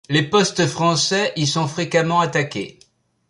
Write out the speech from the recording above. Les postes français y sont fréquemment attaqués.